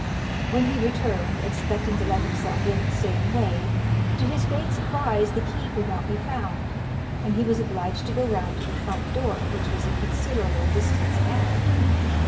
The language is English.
When he returned, expecting to let himself in the same way, to his great surprise the key could not be found, and he was obliged to go round to the front door, which was a considerable distance about.